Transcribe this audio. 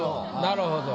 なるほど。